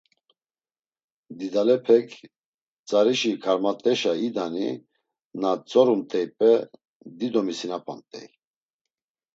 Didalepek, tzarişi karmat̆eşa idani na ntzorumt̆eype dido misinapamt̆ey.